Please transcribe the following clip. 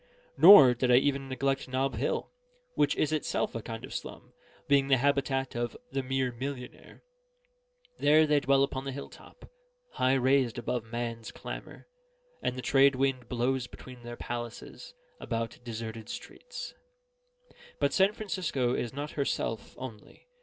Nor did I even neglect Nob Hill, which is itself a kind of slum, being the habitat of the mere millionnaire. There they dwell upon the hill top, high raised above man's clamour, and the trade wind blows between their palaces about deserted streets. But San Francisco is not herself only.